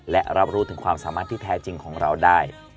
และรับรู้ถึงความสามารถที่แท้จริงของเราได้